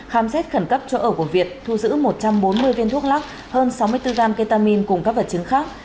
khám xét khẩn cấp chỗ ở của việt thu giữ một trăm bốn mươi viên thuốc lắc hơn sáu mươi bốn g ketamin cùng các vật chứng khác